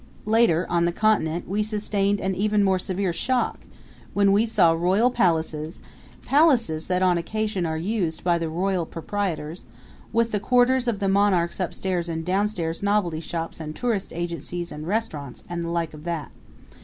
Later, on the Continent, we sustained an even more severe shock when we saw royal palaces palaces that on occasion are used by the royal proprietors with the quarters of the monarchs upstairs and downstairs novelty shops and tourist agencies and restaurants, and the like of that.